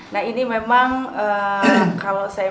nah ini memang kalau saya